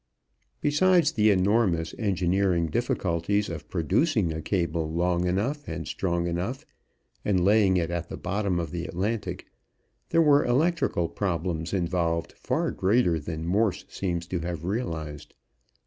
Besides the enormous engineering difficulties of producing a cable long enough and strong enough, and laying it at the bottom of the Atlantic, there were electrical problems involved far greater than Morse seems to have realized.